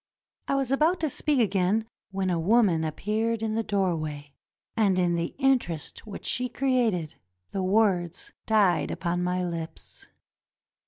I was about to speak again when a woman appeared in the doorway, and in the interest which she created the words died upon my lips.